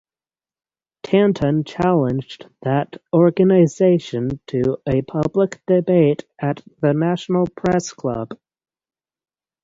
Tanton challenged that organization to a public debate at the National Press Club.